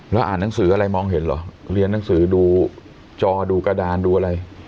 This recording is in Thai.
แล้วอ่านหนังสืออะไรมองเห็นเหรอเรียนหนังสือดูจอดูกระดานดูอะไร